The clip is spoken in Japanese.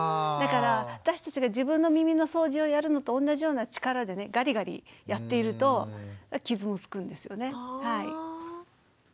だから私たちが自分の耳の掃除をやるのと同じような力でねガリガリやっていると傷もつくんですよね。